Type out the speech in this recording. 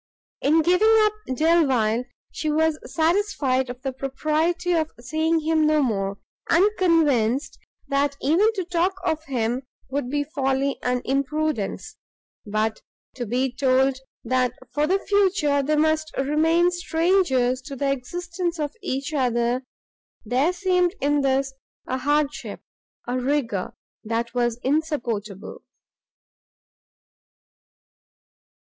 In giving up Delvile she was satisfied of the propriety of seeing him no more, and convinced that even to talk of him would be folly and imprudence; but to be told that for the future they must remain strangers to the existence of each other there seemed in this a hardship, a rigour, that was insupportable.